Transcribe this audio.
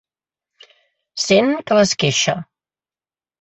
Sent que l'esqueixa.